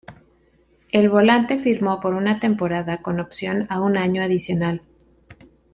El volante firmó por una temporada con opción a un año adicional.